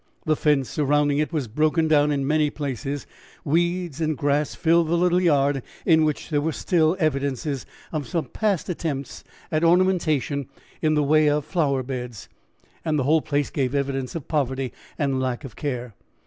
The fence surrounding it was broken down in many places, weeds and grass filled the little yard in which there were still evidences of some past attempts at ornamentation in the way of flower beds, and the whole place gave evidence of poverty and lack of care.